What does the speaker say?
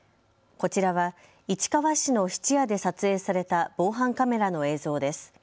こちらは市川市の質屋で撮影された防犯カメラの映像です。